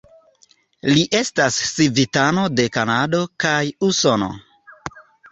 Li estas civitano de Kanado kaj Usono.